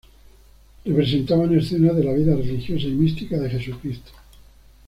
Representaban escenas de la vida religiosa y mística de Jesucristo.